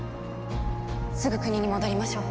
すぐ国に戻りましょう。